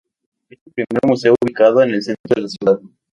Es el primer museo ubicado en el centro de la ciudad.